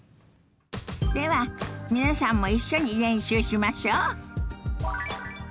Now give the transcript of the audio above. では皆さんも一緒に練習しましょ。